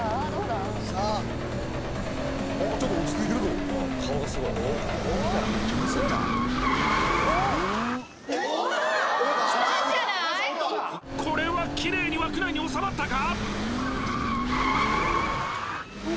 音がこれはキレイに枠内に収まったか？